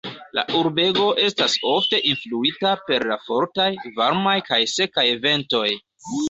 La urbego estas ofte influita per la fortaj, varmaj kaj sekaj ventoj.